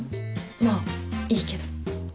まあいいけど。